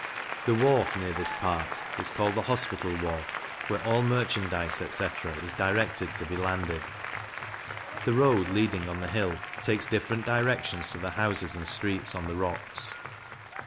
The wharf near this part, is called the Hospital Wharf, where all merchandize, etc. is directed to be landed. The Road leading on the hill, takes different directions to the houses and streets on the rocks.